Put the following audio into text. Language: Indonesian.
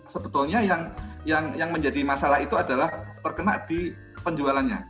sebetulnya yang menjadi masalah itu adalah terkena di penjualannya